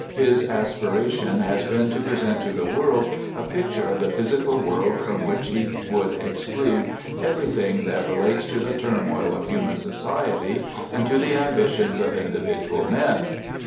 His aspiration has been to present to the world a picture of the physical world from which he would exclude everything that relates to the turmoil of human societv, and to the ambitions of individual men.